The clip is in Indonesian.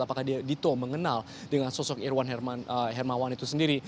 apakah dito mengenal dengan sosok irwan hermawan itu sendiri